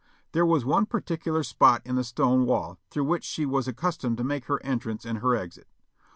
There was one particular spot in the stone wall through which she was accustomed to make her entrance and her exit.